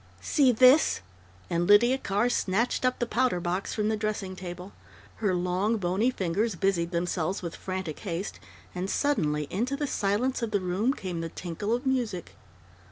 "See this!" and Lydia Carr snatched up the powder box from the dressing table. Her long, bony fingers busied themselves with frantic haste, and suddenly, into the silence of the room came the tinkle of music.